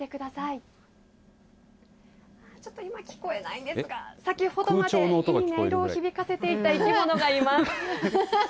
今、ちょっと聞こえないんですが先ほどまで音色を響かせていた生き物がいます。